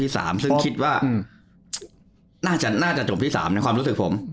ซึ่งคิดว่าน่าจะจบที่๓ในความรู้สึกผม